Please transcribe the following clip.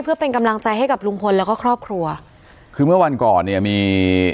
เพื่อเป็นกำลังใจให้กับลุงพลแล้วก็ครอบครัวคือเมื่อวันก่อนเนี่ยมี